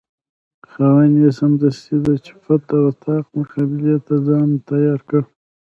خاوند یې سمدستي د جفت او طاق مقابلې ته ځان تیار کړ.